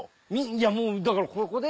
いやもうだからここで。